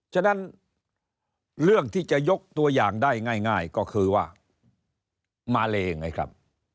ฉะนั้นเรื่องที่จะยกตัวอย่างได้ง่ายก็คือว่ามาเลไงครับ